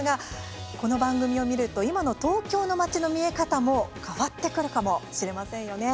この番組を見ると今の東京の街の見え方も変わってくるかもしれませんよね。